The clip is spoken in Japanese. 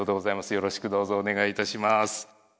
よろしくどうぞお願いいたします。